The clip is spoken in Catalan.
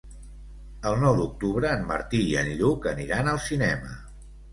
El nou d'octubre en Martí i en Lluc aniran al cinema.